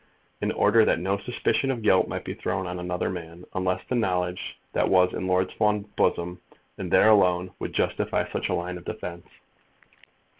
In order that no suspicion of guilt might be thrown on another man, unless the knowledge that was in Lord Fawn's bosom, and there alone, would justify such a line of defence.